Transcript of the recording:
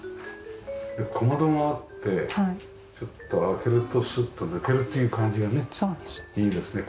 小窓があってちょっと開けるとスッと抜けるという感じがねいいですね